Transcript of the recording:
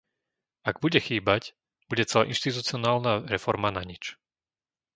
Ak bude chýbať, bude celá inštitucionálna reforma nanič.